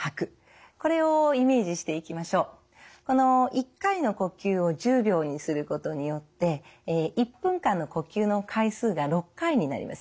１回の呼吸を１０秒にすることによって１分間の呼吸の回数が６回になります。